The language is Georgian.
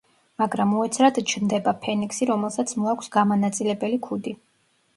მაგრამ უეცრად ჩნდება ფენიქსი, რომელსაც მოაქვს გამანაწილებელი ქუდი.